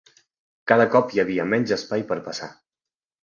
Cada cop hi havia menys espai per passar.